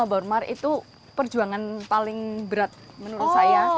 baru baru itu perjuangan paling berat menurut saya